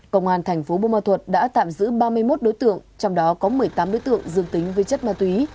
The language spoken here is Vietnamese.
công an thành phố bô ma thuật đã tạm giữ ba mươi một đối tượng trong đó có một mươi tám đối tượng dương tính với chất ma túy